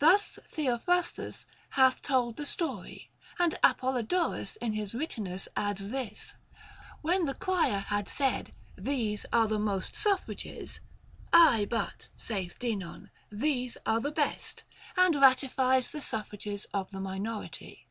Thus Theophrastus hath told the story ; and Apollodorus in his Rhythms adds this : When the crier had said, ' These are the most suffrages ;'' Aye, but,' saith Dinon, ' these are the best,' and ratifies the suffrages of the mi nority.